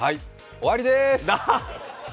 終わりでーす。